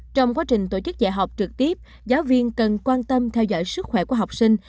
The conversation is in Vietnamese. trong quá trình tổ chức dạy học trực tiếp giáo viên cần quan tâm theo dõi sức khỏe của học sinh